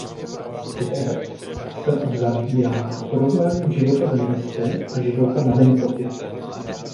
Zpěv se uzavírá porovnáním života ve městě a života na venkově.